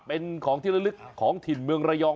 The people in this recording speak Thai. เป็นของที่ละลึกของถิ่นเมืองระยอง